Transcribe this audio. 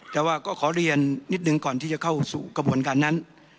แต่ว่าก็ขอเรียนนิดหนึ่งก่อนที่จะเข้าสู่กระบวนการนั้น